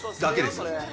だけですよ。